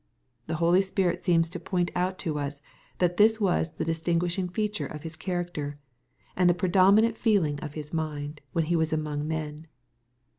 The Holy Spirit seems to point out to us, that this was the distinguishing feature of His character, and the predominant feeling of His mind, when He was among men.